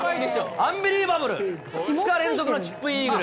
アンビリーバブル２日連続のチップインイーグル。